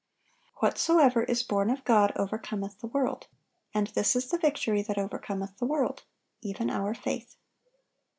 "Whatsoever is born of God overcometh the world: and this is the victory that overcometh the world, even our faith."